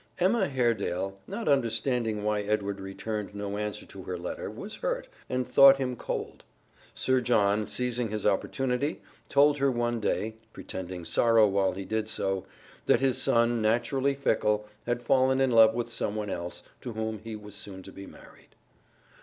Emma Haredale, not understanding why Edward returned no answer to her letter, was hurt, and thought him cold. Sir John, seizing his opportunity, told her one day (pretending sorrow while he did so) that his son, naturally fickle, had fallen in love with some one else, to whom he was soon to be married.